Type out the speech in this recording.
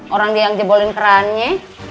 orang dia yang jebolin kerannya